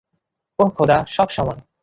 ওহ খোদা, সব সময়।